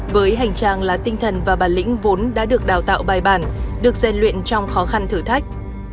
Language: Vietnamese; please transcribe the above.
với hành trang là tinh thần và bản lĩnh vốn đã được đào tạo bài bản được gian luyện trong khó khăn thử thách